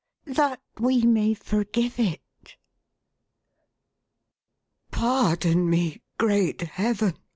"That we may forgive it." " Pardon me, great Heaven